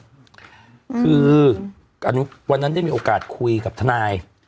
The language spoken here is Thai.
คือวันนั้นได้มีโอกาสคุยกับทนาย